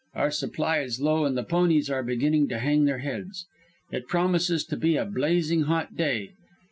Our supply is low, and the ponies are beginning to hang their heads. It promises to be a blazing hot day.